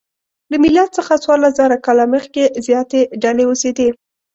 له میلاد څخه څوارلسزره کاله مخکې زیاتې ډلې اوسېدې.